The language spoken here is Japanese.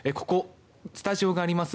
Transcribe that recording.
スタジオがあります